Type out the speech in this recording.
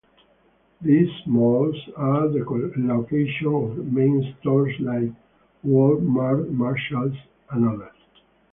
These malls are the location of main stores like Wal-Mart, Marshalls, and others.